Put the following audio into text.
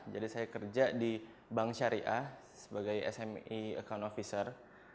jadi saya kerja di bank syariah sebagai smi account officer